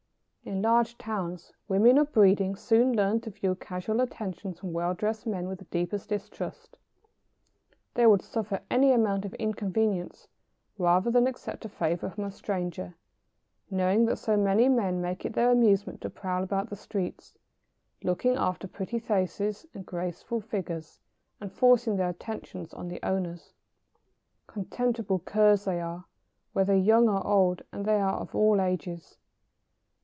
In large towns women of breeding soon learn to view casual attentions from well dressed men with the deepest distrust. They would suffer any amount of inconvenience rather than accept a favour from a stranger, knowing that so many men make it their amusement to prowl about the streets, looking after pretty faces and graceful figures, and forcing their attentions on the owners. [Sidenote: A contemptible class of men.] Contemptible curs they are, whether young or old, and they are of all ages.